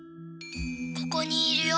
ここにいるよ。